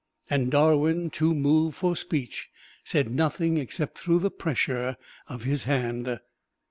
And Darwin, too moved for speech, said nothing except through the pressure of his hand.